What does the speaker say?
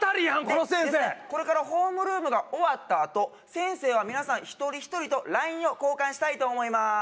この先生これからホームルームが終わったあと先生は皆さん一人一人とＬＩＮＥを交換したいと思います